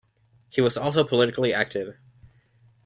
He was also politically active.